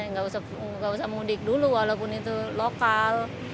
nggak usah mudik dulu walaupun itu lokal